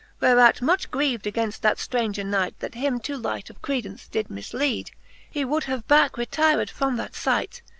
Whereat much griev'd againft that ftraunger Knight„ That him too light of credence did miflead. He would have backe retyred from that fight.